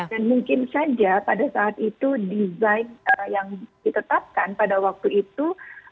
dan mungkin saja pada saat itu desain yang ditetapkan pada waktu itu